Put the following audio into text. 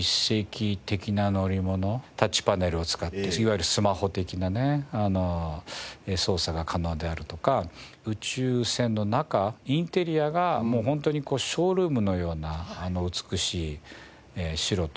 タッチパネルを使っていわゆるスマホ的なね操作が可能であるとか宇宙船の中インテリアがもうホントにショールームのような美しい白とね